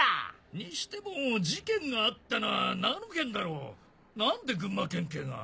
にしても事件があったのは長野県だろ何で群馬県警が？